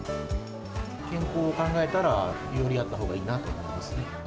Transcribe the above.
健康を考えたら、よりあったほうがいいなと思いますね。